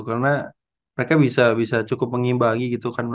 karena mereka bisa cukup mengimbangi gitu